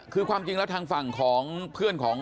คือความจริงแล้วทางฝั่งของเพื่อนของ